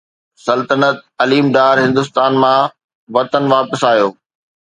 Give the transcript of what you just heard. سلطنت عليم ڊار هندستان مان وطن واپس آيو